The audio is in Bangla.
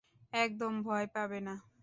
একদম ভয় পাবে না!